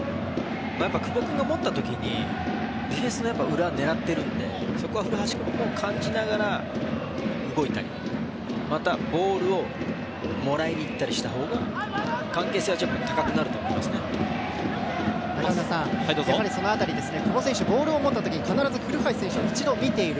やっぱり久保君が持った時ディフェンスの裏を狙っているのでそこは古橋君も感じながら動いたりまたボールをもらいに行ったりしたほうがその辺りで久保選手、ボールを持った時必ず古橋選手を一度、見ている。